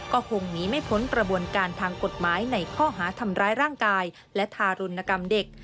ก็คงหนีไม่พ้นกระบวนการทางกฎหมายในข้อหาทำร้ายร่างกายและทารุณกรรมเด็ก